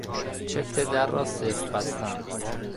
چفت در را سفت بستن